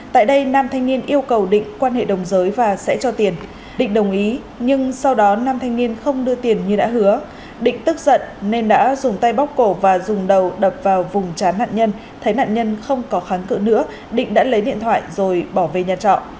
tại đây nam thanh niên yêu cầu định quan hệ đồng giới và sẽ cho tiền định đồng ý nhưng sau đó nam thanh niên không đưa tiền như đã hứa định tức giận nên đã dùng tay bóc cổ và dùng đầu đập vào vùng trán nạn nhân thấy nạn nhân không có kháng cự nữa định đã lấy điện thoại rồi bỏ về nhà trọ